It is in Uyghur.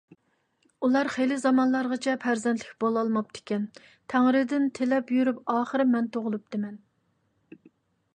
ئۇلار خېلى زامانلارغىچە پەرزەنتلىك بولالماپتىكەن، تەڭرىدىن تىلەپ يۈرۈپ ئاخىر مەن تۇغۇلۇپتىمەن.